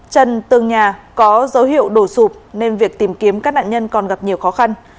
chân tường nhà có dấu hiệu đổ sụp nên việc tìm kiếm các nạn nhân còn gặp nhiều khó khăn